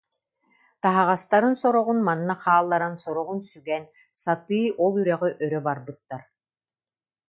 Таһаҕастарын сороҕун манна хаалларан, сороҕун сүгэн, сатыы ол үрэҕи өрө барбыттар